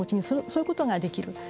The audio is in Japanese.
そういうことができる。